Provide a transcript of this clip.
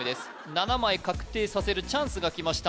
７枚確定させるチャンスがきました